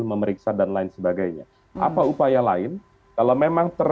menjadi last resort